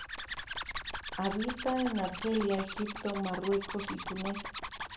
Habita en Argelia, Egipto, Marruecos y Túnez.